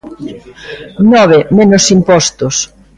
Nove, menos impostos.